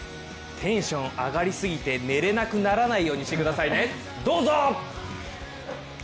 テンション上がりすぎて寝れなくならないようにしてください、どうぞ！